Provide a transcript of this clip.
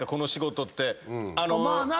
まあな。